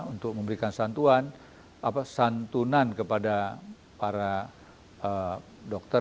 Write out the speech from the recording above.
untuk memberikan santunan kepada para dokter